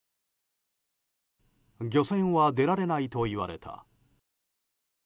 漁船は出られないと言われた。